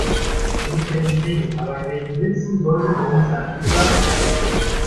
Ihr müsst ja nicht singen, aber ein wenig Mitsummen sollte drin sein, oder?